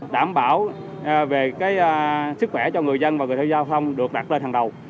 đảm bảo về sức khỏe cho người dân và người theo giao thông được đặt lên hàng đầu